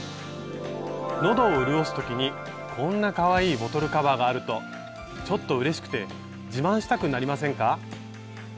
喉を潤す時にこんなかわいいボトルカバーがあるとちょっとうれしくて自慢したくなりませんか？